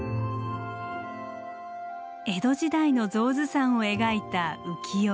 江戸時代の象頭山を描いた浮世絵。